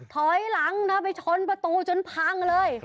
ถอยหลังนะไปชนประตูจนพังเลย